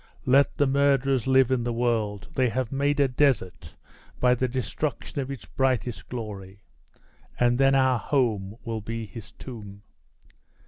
Let the murderers live in the world they have made a desert by the destruction of its brightest glory, and then our home will be his tomb!"